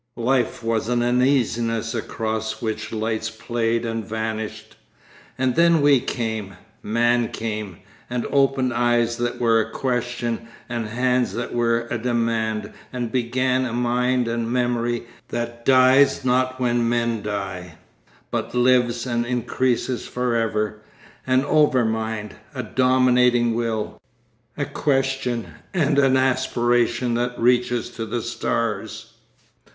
Life was an uneasiness across which lights played and vanished. And then we came, man came, and opened eyes that were a question and hands that were a demand and began a mind and memory that dies not when men die, but lives and increases for ever, an over mind, a dominating will, a question and an aspiration that reaches to the stars....